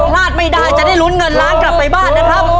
พลาดไม่ได้จะได้ลุ้นเงินล้านกลับไปบ้านนะครับ